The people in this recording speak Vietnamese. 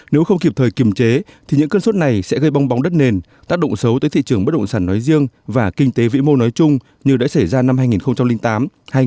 nếu không kịp thời kiềm chế thì những cơn suất này sẽ gây bong bóng đất nền tác động xấu tới thị trường bất động sản nói riêng và kinh tế vĩ mô nói chung như đã xảy ra năm hai nghìn tám hai nghìn một mươi